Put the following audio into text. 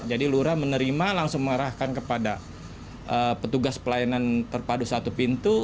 jadi lurah menerima langsung mengarahkan kepada petugas pelayanan terpadu satu pintu